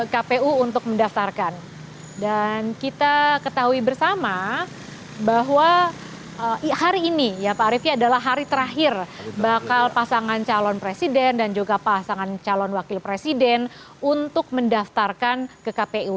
kpu untuk mendaftarkan dan kita ketahui bersama bahwa hari ini ya pak ariefnya adalah hari terakhir bakal pasangan calon presiden dan juga pasangan calon wakil presiden untuk mendaftarkan ke kpu